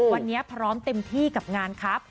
วันนี้พร้อมเต็มที่กับงานครับ